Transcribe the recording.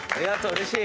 うれしい。